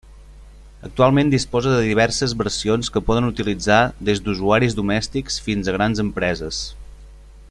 Actualment disposa de diverses versions que poden utilitzar des d'usuaris domèstics fins a grans empreses.